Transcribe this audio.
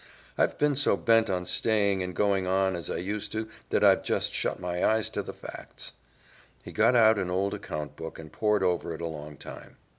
I've been so bent on staying and going on as I used to that I've just shut my eyes to the facts." He got out an old account book and pored over it a long time.